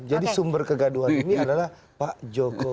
jadi sumber kegaduhan ini adalah pak jokowi